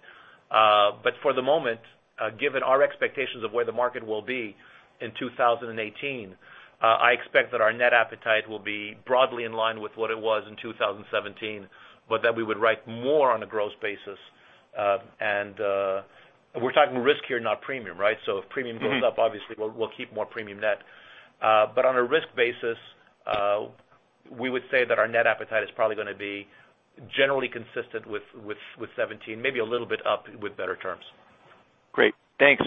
For the moment, given our expectations of where the market will be in 2018, I expect that our net appetite will be broadly in line with what it was in 2017, but that we would write more on a gross basis. We're talking risk here, not premium, right? If premium goes up, obviously we'll keep more premium net. On a risk basis, we would say that our net appetite is probably going to be generally consistent with 2017, maybe a little bit up with better terms. Great. Thanks.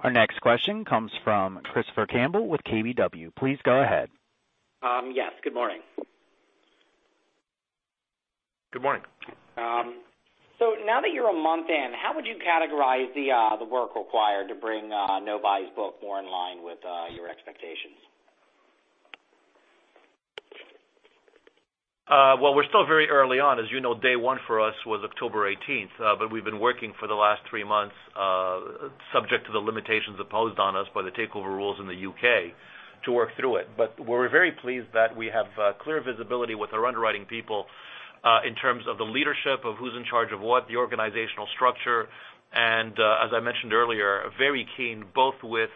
Our next question comes from Christopher Campbell with KBW. Please go ahead. Yes, good morning. Good morning. Now that you're a month in, how would you categorize the work required to bring Novae's book more in line with your expectations? Well, we're still very early on. As you know, day one for us was October 18th, but we've been working for the last three months, subject to the limitations imposed on us by the takeover rules in the U.K. to work through it. We're very pleased that we have clear visibility with our underwriting people, in terms of the leadership of who's in charge of what, the organizational structure, and, as I mentioned earlier, very keen both with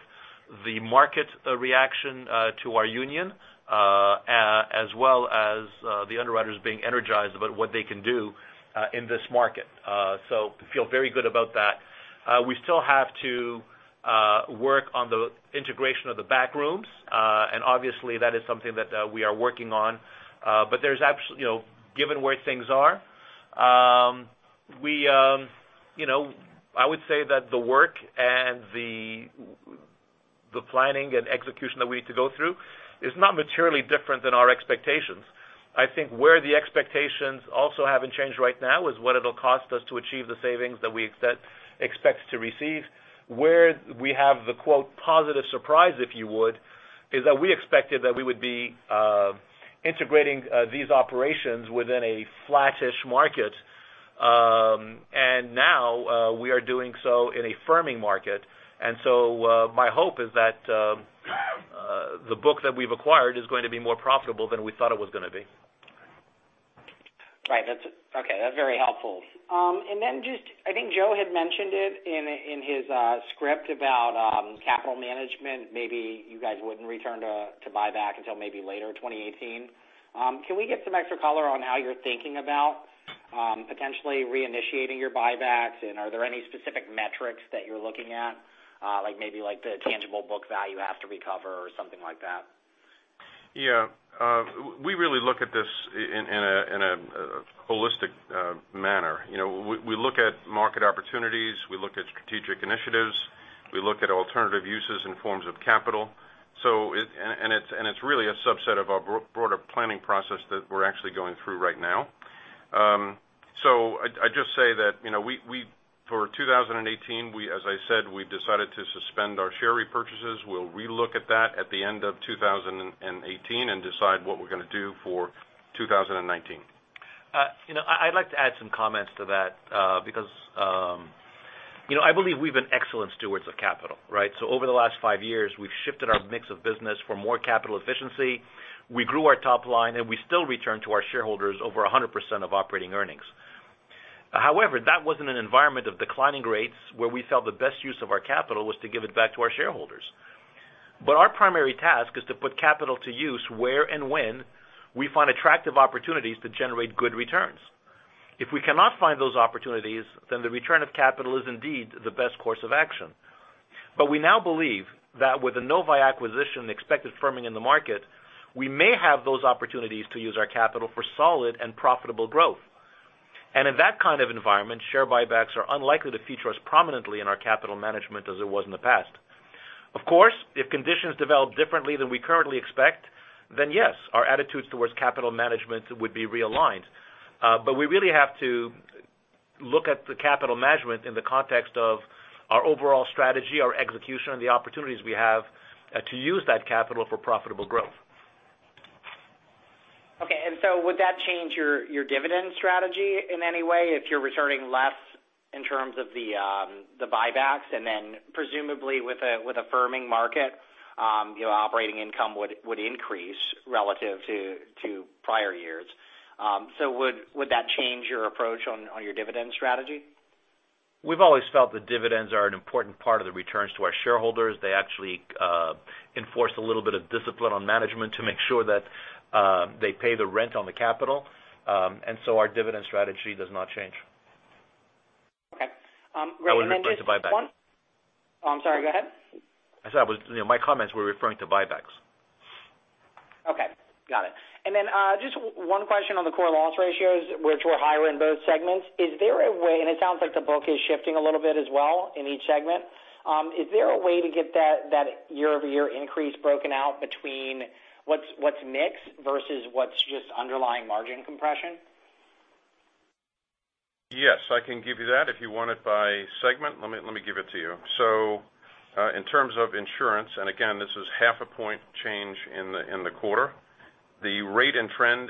the market reaction to our union, as well as the underwriters being energized about what they can do in this market. Feel very good about that. We still have to work on the integration of the back rooms. Obviously that is something that we are working on. Given where things are, I would say that the work and the planning and execution that we need to go through is not materially different than our expectations. I think where the expectations also haven't changed right now is what it'll cost us to achieve the savings that we expect to receive. Where we have the, quote, "positive surprise," if you would, is that we expected that we would be integrating these operations within a flattish market. Now, we are doing so in a firming market. My hope is that the book that we've acquired is going to be more profitable than we thought it was going to be. Right. Okay. That's very helpful. Then just, I think Joe had mentioned it in his script about capital management. Maybe you guys wouldn't return to buyback until maybe later 2018. Can we get some extra color on how you're thinking about potentially reinitiating your buybacks? Are there any specific metrics that you're looking at, like maybe the tangible book value you have to recover or something like that? Yeah. We really look at this in a holistic manner. We look at market opportunities, we look at strategic initiatives, we look at alternative uses and forms of capital. It's really a subset of our broader planning process that we're actually going through right now. I just say that for 2018, as I said, we've decided to suspend our share repurchases. We'll re-look at that at the end of 2018 and decide what we're going to do for 2019. I'd like to add some comments to that, because I believe we've been excellent stewards of capital, right? Over the last five years, we've shifted our mix of business for more capital efficiency. We grew our top line, and we still return to our shareholders over 100% of operating earnings. However, that was in an environment of declining rates where we felt the best use of our capital was to give it back to our shareholders. Our primary task is to put capital to use where and when we find attractive opportunities to generate good returns. If we cannot find those opportunities, then the return of capital is indeed the best course of action. We now believe that with the Novae acquisition and the expected firming in the market, we may have those opportunities to use our capital for solid and profitable growth. In that kind of environment, share buybacks are unlikely to feature as prominently in our capital management as it was in the past. Of course, if conditions develop differently than we currently expect, then yes, our attitudes towards capital management would be realigned. We really have to look at the capital management in the context of our overall strategy, our execution, and the opportunities we have to use that capital for profitable growth. Okay. Would that change your dividend strategy in any way if you're returning less in terms of the buybacks and then presumably with a firming market, operating income would increase relative to prior years. Would that change your approach on your dividend strategy? We've always felt that dividends are an important part of the returns to our shareholders. They actually enforce a little bit of discipline on management to make sure that they pay the rent on the capital. Our dividend strategy does not change. Okay. I wouldn't touch the buybacks. I'm sorry, go ahead. I said my comments were referring to buybacks. Okay. Got it. Just one question on the core loss ratios, which were higher in both segments. It sounds like the book is shifting a little bit as well in each segment. Is there a way to get that year-over-year increase broken out between what's mix versus what's just underlying margin compression? Yes. I can give you that. If you want it by segment, let me give it to you. In terms of insurance, and again, this is half a point change in the quarter, the rate and trend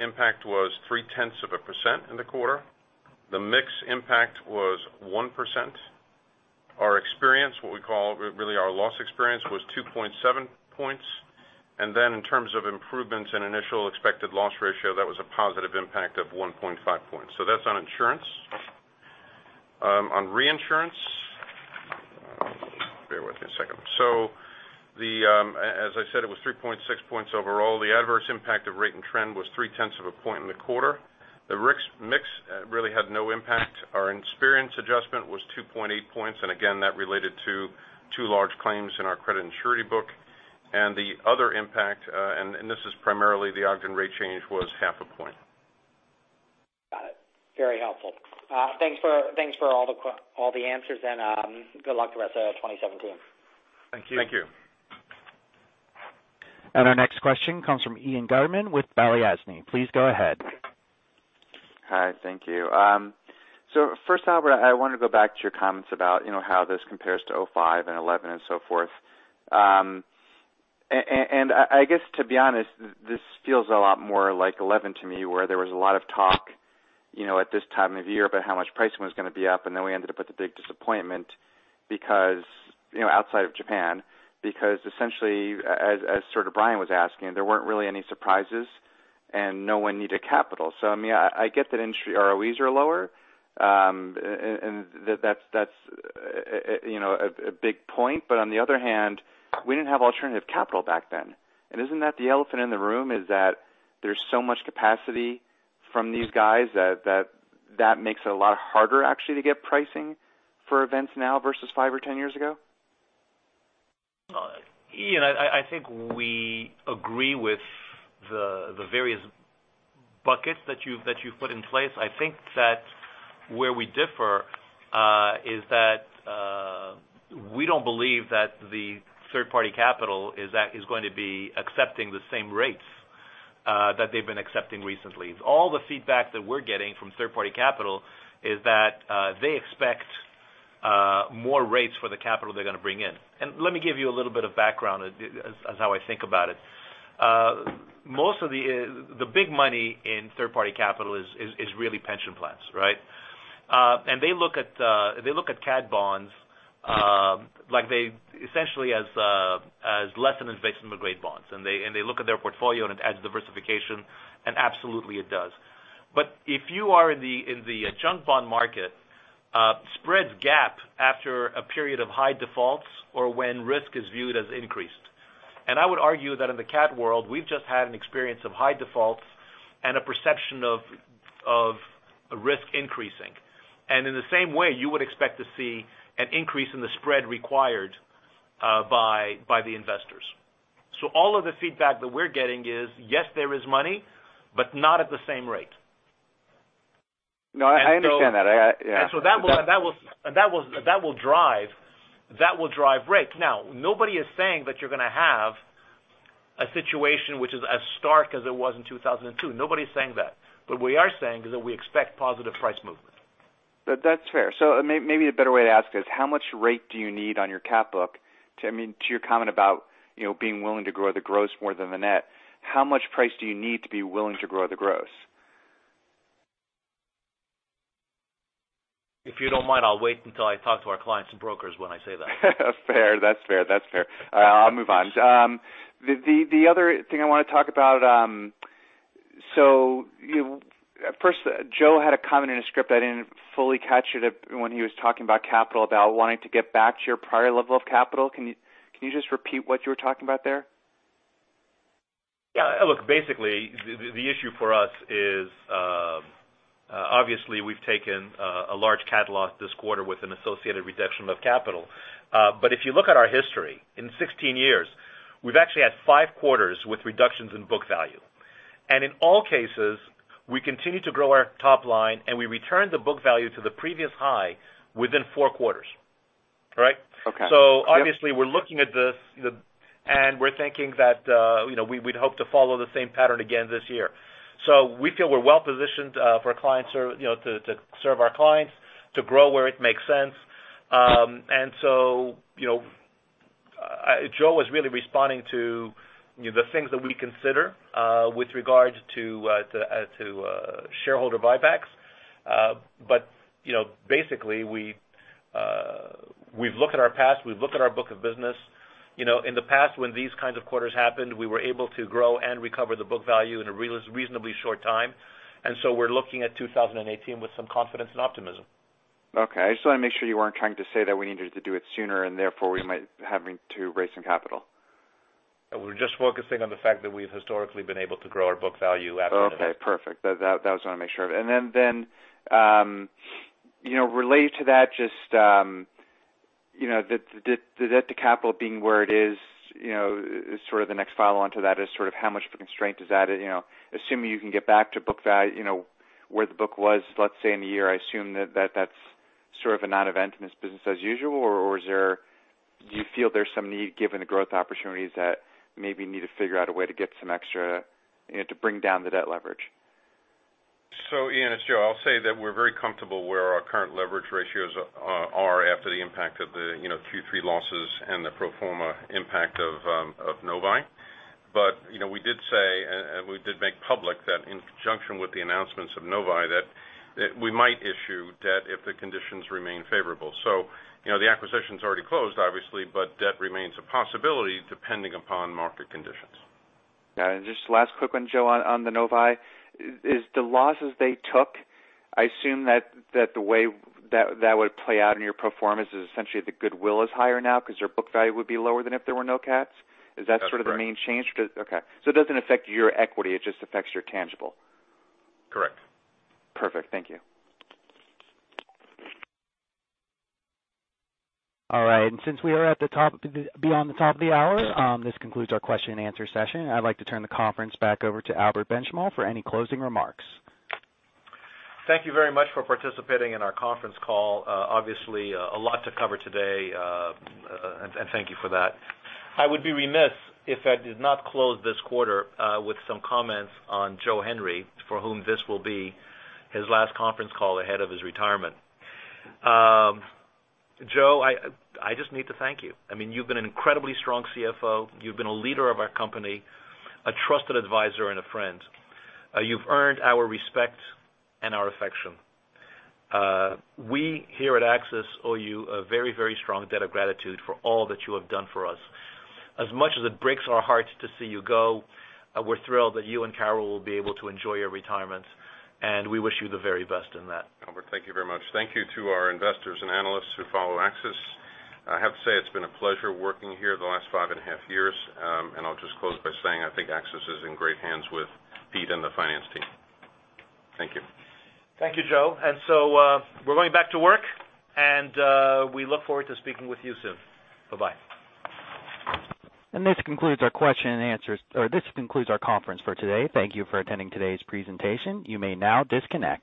impact was three tenths of a percent in the quarter. The mix impact was 1%. Our experience, what we call really our loss experience, was 2.7 points. In terms of improvements in initial expected loss ratio, that was a positive impact of 1.5 points. That's on insurance. On reinsurance, bear with me a second. As I said, it was 3.6 points overall. The adverse impact of rate and trend was three tenths of a point in the quarter. The mix really had no impact. Our experience adjustment was 2.8 points, and again, that related to two large claims in our credit and surety book. The other impact, and this is primarily the Ogden rate change, was half a point. Very helpful. Thanks for all the answers, and good luck the rest of 2017. Thank you. Thank you. Our next question comes from Ian Gutterman with Balyasny. Please go ahead. Hi. Thank you. First, Albert, I wanted to go back to your comments about how this compares to 2005 and 2011 and so forth. I guess to be honest, this feels a lot more like 2011 to me, where there was a lot of talk at this time of year about how much pricing was going to be up, and then we ended up with a big disappointment outside of Japan. Because essentially, as Brian was asking, there weren't really any surprises, and no one needed capital. I get that ROEs are lower, and that's a big point. On the other hand, we didn't have alternative capital back then. Isn't that the elephant in the room, is that there's so much capacity from these guys that that makes it a lot harder actually to get pricing for events now versus five or 10 years ago? Ian, I think we agree with the various buckets that you've put in place. I think that where we differ is that we don't believe that the third-party capital is going to be accepting the same rates that they've been accepting recently. All the feedback that we're getting from third-party capital is that they expect more rates for the capital they're going to bring in. Let me give you a little bit of background as how I think about it. Most of the big money in third-party capital is really pension plans, right? They look at cat bonds essentially as less an investment-grade bonds. They look at their portfolio, and it adds diversification, and absolutely it does. If you are in the junk bond market, spreads gap after a period of high defaults or when risk is viewed as increased. I would argue that in the cat world, we've just had an experience of high defaults and a perception of risk increasing. In the same way, you would expect to see an increase in the spread required by the investors. All of the feedback that we're getting is, yes, there is money, but not at the same rate. No, I understand that. Yeah. That will drive rates. Now, nobody is saying that you're going to have a situation which is as stark as it was in 2002. Nobody's saying that. What we are saying is that we expect positive price movement. That's fair. Maybe a better way to ask is how much rate do you need on your cat book? To your comment about being willing to grow the gross more than the net, how much price do you need to be willing to grow the gross? If you don't mind, I'll wait until I talk to our clients and brokers when I say that. Fair. That's fair. I'll move on. The other thing I want to talk about. Joe had a comment in his script, I didn't fully catch it when he was talking about capital, about wanting to get back to your prior level of capital. Can you just repeat what you were talking about there? Look, basically, the issue for us is obviously we've taken a large CAT loss this quarter with an associated reduction of capital. If you look at our history, in 16 years, we've actually had five quarters with reductions in book value. In all cases, we continue to grow our top line, and we return the book value to the previous high within four quarters. Right? Okay. Yep. Obviously we're looking at this, we're thinking that we'd hope to follow the same pattern again this year. We feel we're well-positioned to serve our clients, to grow where it makes sense. Joe was really responding to the things that we consider with regards to shareholder buybacks. Basically, we've looked at our past, we've looked at our book of business. In the past, when these kinds of quarters happened, we were able to grow and recover the book value in a reasonably short time. We're looking at 2018 with some confidence and optimism. Okay. I just want to make sure you weren't trying to say that we needed to do it sooner, therefore we might having to raise some capital. We're just focusing on the fact that we've historically been able to grow our book value after an event. Okay, perfect. That was what I want to make sure of. Related to that, just the debt to capital being where it is sort of the next follow-on to that is sort of how much of a constraint is that? Assuming you can get back to where the book was, let's say in a year, I assume that that's sort of a non-event and it's business as usual, or do you feel there's some need given the growth opportunities that maybe need to figure out a way to bring down the debt leverage? Ian, it's Joe. I'll say that we're very comfortable where our current leverage ratios are after the impact of the Q3 losses and the pro forma impact of Novae. We did say, and we did make public that in conjunction with the announcements of Novae, that we might issue debt if the conditions remain favorable. The acquisition's already closed, obviously, but debt remains a possibility depending upon market conditions. Got it. Just last quick one, Joe, on the Novae. Is the losses they took, I assume that the way that would play out in your pro forma is essentially the goodwill is higher now because your book value would be lower than if there were no cats. Is that? That's correct The main change? It doesn't affect your equity, it just affects your tangible. Correct. Perfect. Thank you. All right. Since we are beyond the top of the hour, this concludes our question and answer session. I'd like to turn the conference back over to Albert Benchimol for any closing remarks. Thank you very much for participating in our conference call. Obviously, a lot to cover today, and thank you for that. I would be remiss if I did not close this quarter with some comments on Joseph Henry, for whom this will be his last conference call ahead of his retirement. Joe, I just need to thank you. You've been an incredibly strong CFO. You've been a leader of our company, a trusted advisor, and a friend. You've earned our respect and our affection. We here at AXIS owe you a very, very strong debt of gratitude for all that you have done for us. As much as it breaks our hearts to see you go, we're thrilled that you and Carol will be able to enjoy your retirement, and we wish you the very best in that. Albert, thank you very much. Thank you to our investors and analysts who follow AXIS. I have to say it's been a pleasure working here the last five and a half years. I'll just close by saying I think AXIS is in great hands with Pete and the finance team. Thank you. Thank you, Joe. We're going back to work, and we look forward to speaking with you soon. Bye-bye. This concludes our conference for today. Thank you for attending today's presentation. You may now disconnect.